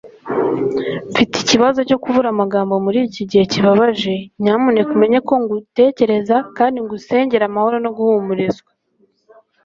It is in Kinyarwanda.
mfite ikibazo cyo kubura amagambo muri iki gihe kibabaje nyamuneka umenye ko ngutekereza kandi ngusengera amahoro no guhumurizwa